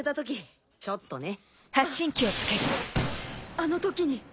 あの時に！